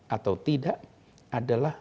atau tidak adalah